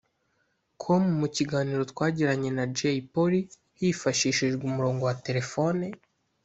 com mu kiganiro twagiranye na Jay Polly hifashishijwe umurongo wa telefone